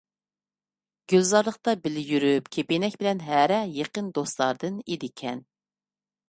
گۈلزارلىقتا بىللە يۈرۇپ كىپىنەك بىلەن ھەرە يېقىن دوستلاردىن ئىدىكەن .